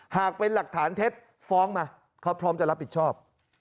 หากเป็นหลักฐานเท็จฟ้องมาเขาพร้อมจะรับผิดชอบ